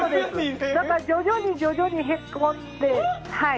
徐々に徐々にへこんで。